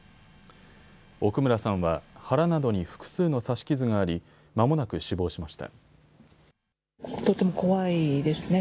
奥村さんは腹などに複数の刺し傷がありまもなく死亡しました。